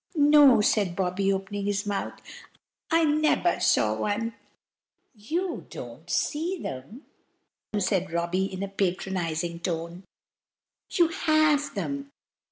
"No!" said Bobby, opening his mouth. "I neber saw one." "You don't see them!" said Robby, in a patronizing tone, "you have them!